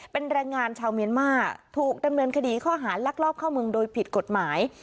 เป็นแรงงานชาวเมียนมาร์ถูกดำเนินคดีข้อหารลักลอบเข้าเมืองโดยผิดกฎหมาย